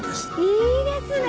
いいですね！